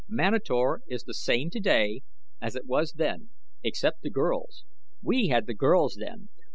Manator is the same today as it was then except the girls. We had the girls then.